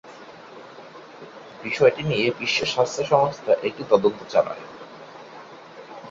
বিষয়টি নিয়ে বিশ্ব স্বাস্থ্য সংস্থা একটি তদন্ত চালায়।